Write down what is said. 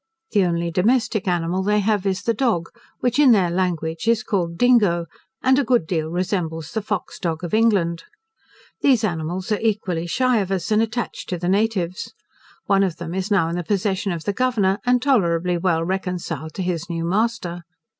The only domestic animal they have is the dog, which in their language is called Dingo, and a good deal resembles the fox dog of England. These animals are equally shy of us, and attached to the natives. One of them is now in the possession of the Governor, and tolerably well reconciled to his new master.